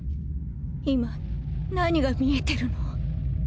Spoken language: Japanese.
今何が見えてるの？